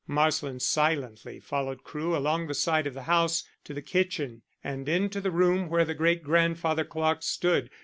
Marsland silently followed Crewe along the side of the house to the kitchen, and into the room where the great grandfather clock stood.